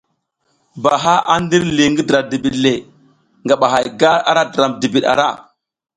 Ba a ndir li ngi dra dibiɗ le, ngaba hay gar ara dra dibiɗ ara.